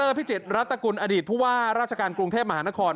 พิจิตรรัฐกุลอดีตผู้ว่าราชการกรุงเทพมหานคร